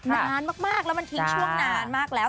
นานมากแล้วมันทิ้งช่วงนานมากแล้ว